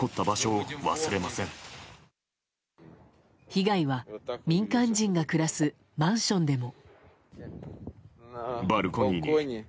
被害は民間人が暮らすマンションでも。